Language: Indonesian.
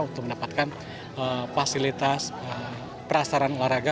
untuk mendapatkan fasilitas prasaran olahraga